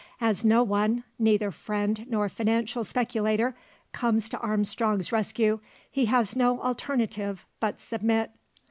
As no one neither friend nor financial speculator comes to Armstrong's rescue, he has no alternative but submit.